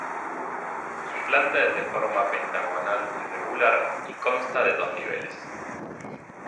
Su planta es de forma pentagonal irregular y consta de dos niveles.